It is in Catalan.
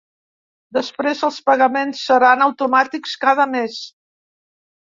Després els pagaments seran automàtics, cada mes.